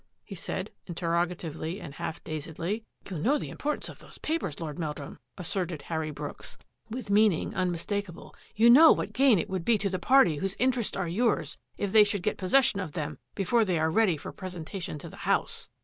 " he said, interrogatively and half dazedly. "You know the importance of those papers. Lord Meldrum," asserted Harry Brooks, with 47 48 THAT AFFAIR AT THE MANOR meaning unmistakable. " You know what gain it would be to the party whose interests are yours if they should get possession of them before they are ready for presentation to the House."